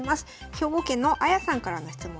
兵庫県のあやさんからの質問です。